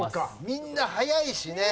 みんな早いしね。